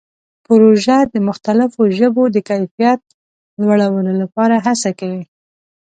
پروژه د مختلفو ژبو د کیفیت لوړولو لپاره هڅه کوي.